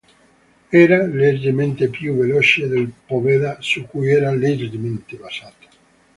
Era leggermente più veloce del Pobeda su cui era leggermente basato.